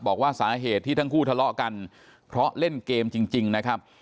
บอกว่าสาเหตุที่ทั้งคู่ทะเลาะกันเพราะเล่นเกมจริงนะครับ